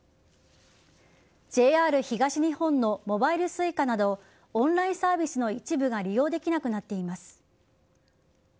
ＪＲ東日本のモバイルＳｕｉｃａなどオンラインサービスの一部が利用できなくなっています。